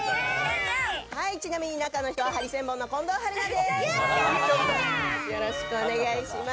ちなみに中の人はハリセンボンの近藤春菜です。